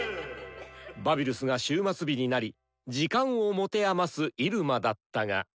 バビルスが終末日になり時間を持て余す入間だったが。